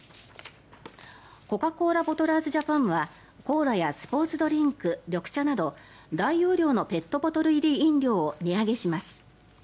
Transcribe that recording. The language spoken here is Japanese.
コカ・コーラボトラーズジャパンはコーラやスポーツドリンク緑茶など大容量のペットボトル入り飲料を値上げします。